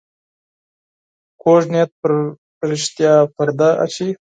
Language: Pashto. کوږ نیت پر رښتیا پرده واچوي